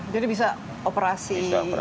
jadi bisa operasi